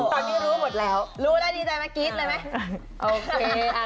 ตอนนี้รู้หมดแล้วรู้แล้วดีใจมากรี๊ดเลยไหม